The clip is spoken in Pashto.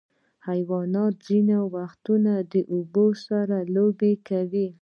حیوانات ځینې وختونه د اوبو سره لوبې کوي.